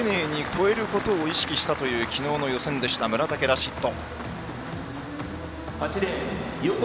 １台目を丁寧に越えることを意識したというきのうの予選でした、村竹ラシッド。